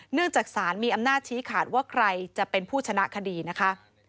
เนื่องจากศาลมีอำนาจชี้ขาดว่าใครจะเป็นผู้ชนะคดีนะคะ